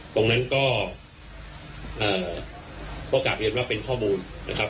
ตรงนั้นก็กลับเรียนว่าเป็นข้อมูลนะครับ